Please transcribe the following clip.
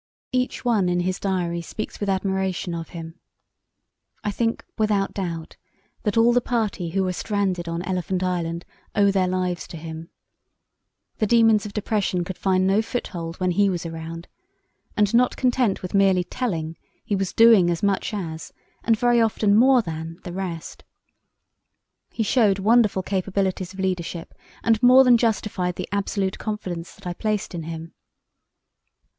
Each one in his diary speaks with admiration of him. I think without doubt that all the party who were stranded on Elephant Island owe their lives to him. The demons of depression could find no foothold when he was around; and, not content with merely "telling," he was "doing" as much as, and very often more than, the rest. He showed wonderful capabilities of leadership and more than justified the absolute confidence that I placed in him.